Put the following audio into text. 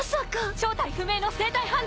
正体不明の生体反応。